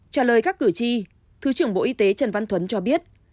trả lời các cử tri thứ trưởng bộ y tế trần văn thuấn cho biết